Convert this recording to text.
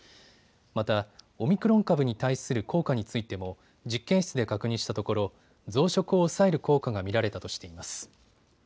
またオミクロン株に対する効果についても実験室で確認したところ増殖を抑える効果が見られたとしています。